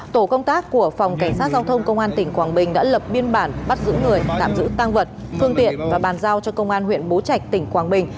tổ công tác của phòng cảnh sát giao thông công an tỉnh quảng bình đã lập biên bản bắt giữ người tạm giữ tăng vật phương tiện và bàn giao cho công an huyện bố trạch tỉnh quảng bình